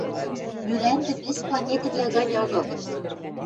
Мӱлӓндӹ вес планетӹвлӓ гань агыл!